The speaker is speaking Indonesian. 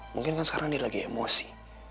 mungkin dia sedang terasa emosi